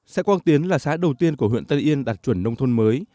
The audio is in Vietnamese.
xã quang tiến là xã đầu tiên của huyện tân yên đạt chuẩn nông thôn mới